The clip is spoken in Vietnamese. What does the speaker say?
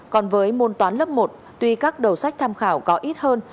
còn với môn toán lớp một tuy các đầu sách tham khảo có ít hơn